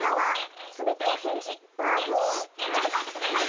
と答えてください。